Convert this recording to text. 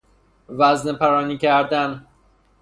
وزنه پرانی کردن